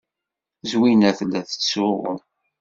Zwina tella tettsuɣu.